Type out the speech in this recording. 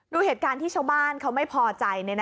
ดูเหตุการณ์ที่ชาวบ้านเขาไม่พอใจ